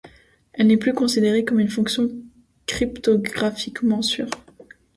Elle n'est plus considérée comme une fonction cryptographiquement sûre.